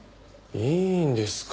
いいんですか？